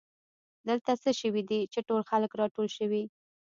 دلته څه شوي دي چې ټول خلک راټول شوي